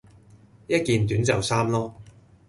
一件短袖衫囉